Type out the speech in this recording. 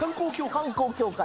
観光協会。